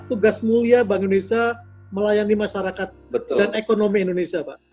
tugas mulia bank indonesia melayani masyarakat dan ekonomi indonesia pak